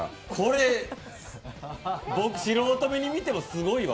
僕、素人目に見てもすごいわ。